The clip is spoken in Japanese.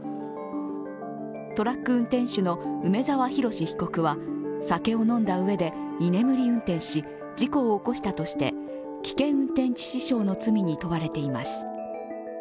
トラック運転手の梅沢洋被告は、酒を飲んだうえで居眠り運転し、事故を起こしたとして危険運転致死傷の罪に問われています。